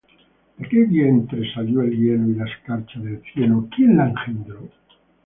¿De qué vientre salió el hielo? Y la escarcha del cielo, ¿quién la engendró?